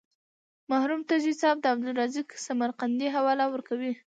مرحوم تږی صاحب د عبدالرزاق سمرقندي حواله ورکوي.